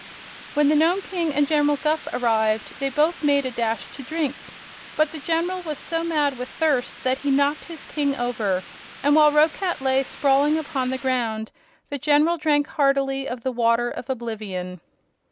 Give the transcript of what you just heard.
When the Nome King and General Guph arrived they both made a dash to drink, but the General was so mad with thirst that he knocked his King over, and while Roquat lay sprawling upon the ground the General drank heartily of the Water of Oblivion.